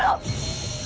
ayo bunuh aku bunuh